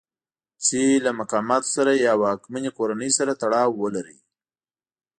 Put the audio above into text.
چې له مقاماتو سره یا واکمنې کورنۍ سره تړاو ولرئ.